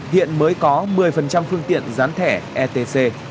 hiện mới có một mươi phương tiện gián thẻ etc